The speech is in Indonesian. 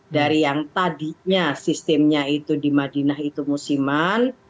dari yang tadinya sistemnya itu di madinah itu musiman